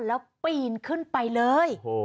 แล้วปีนขึ้นไปเลย